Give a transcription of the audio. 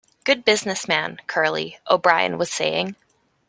Good business man, Curly, O'Brien was saying.